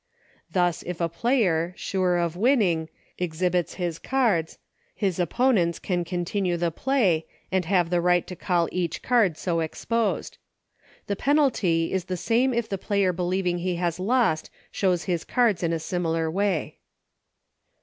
Thus if a player, sure of winning, exhibits his cards, his opponents can continue the play, and have the right to call each card so ex posed. The penalty is the same if a player believing he has lost shows his cards in a similar way.